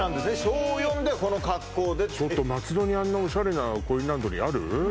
小４でこの格好でちょっと松戸にあんなおしゃれなコインランドリーある？